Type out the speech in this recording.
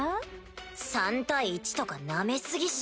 ３対１とかなめ過ぎっしょ。